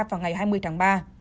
vào ngày hai mươi tháng ba